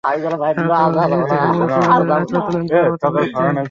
গুরুতর আহত অবস্থায় শিশুটিকে মুন্সিগঞ্জ জেনারেল হাসপাতালে নেওয়ার পথে তার মৃত্যু হয়।